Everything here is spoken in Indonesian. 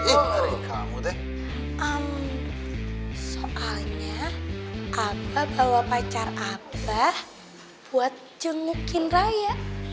oh soalnya abah bawa pacar abah buat jengukin raya